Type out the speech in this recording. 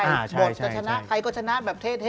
บทจะชนะใครก็ชนะแบบเท่